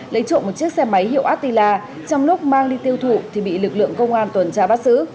lấy trộm một chiếc xe máy hiệu attila trong lúc mang đi tiêu thụ thì bị lực lượng công an tuần tra bắt giữ